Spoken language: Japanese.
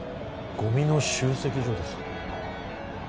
ゴミの集積所です